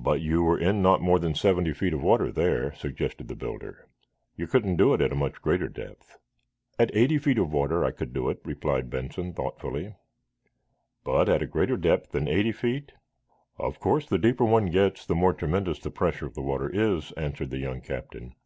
"But you were in not more than seventy feet of water there," suggested the builder. "You couldn't do it at much greater depth." "At eighty feet of water I could do it," replied Benson, thoughtfully. "But at a greater depth than eighty feet ?" "Of course, the deeper one gets, the more tremendous the pressure of the water is," answered the young captain.